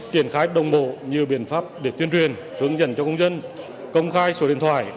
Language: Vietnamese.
triển khai đồng bộ nhiều biện pháp để tuyên truyền hướng dẫn cho công dân công khai số điện thoại